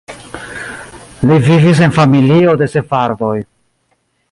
Li vivis en familio de sefardoj.